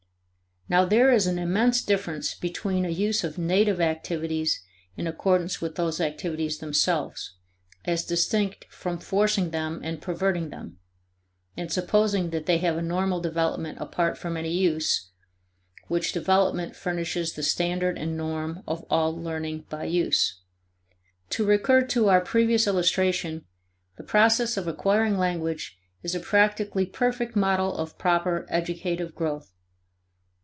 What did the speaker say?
Now there is an immense difference between a use of native activities in accord with those activities themselves as distinct from forcing them and perverting them and supposing that they have a normal development apart from any use, which development furnishes the standard and norm of all learning by use. To recur to our previous illustration, the process of acquiring language is a practically perfect model of proper educative growth.